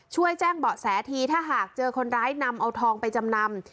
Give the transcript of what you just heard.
ช่วยแจ้งเบาะแสทีถ้าหากเจอคนร้ายนำเอาทองไปจำนำ